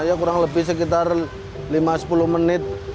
ya kurang lebih sekitar lima sepuluh menit